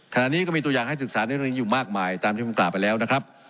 ขณะนี้ก็มีตัวอย่างให้ศึกษาในเรื่องนี้อยู่มากมายตามที่ผมกล่าวไปแล้วนะครับ